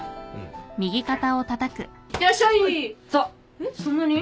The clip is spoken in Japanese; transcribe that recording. えっそんなに？